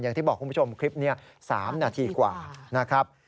อย่างที่บอกคุณผู้ชมคลิปนี้๓นาทีกว่านะครับ